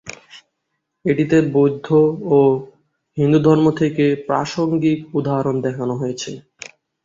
এটিতে বৌদ্ধ এবং হিন্দুধর্ম থেকে প্রাসঙ্গিক উদাহরণ দেখানো হয়েছে।